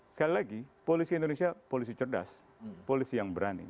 sekali lagi polisi indonesia polisi cerdas polisi yang berani